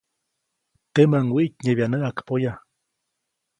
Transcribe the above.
Temäʼuŋ wiʼtnyebya näʼakpoya.